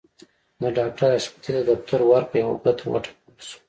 د ډاکټر حشمتي د دفتر ور په يوه ګوته وټکول شو.